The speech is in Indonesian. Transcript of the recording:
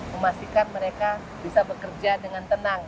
memastikan mereka bisa bekerja dengan tenang